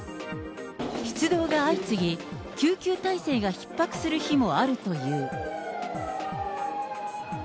出動が相次ぎ、救急体制がひっ迫する日もあるという。